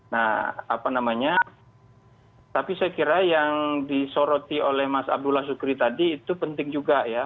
nah apa namanya tapi saya kira yang disoroti oleh mas abdullah sukri tadi itu penting juga ya